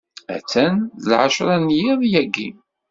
Attan d lɛecṛa n yiḍ yagi.